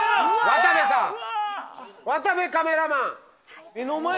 渡部さん渡部カメラマン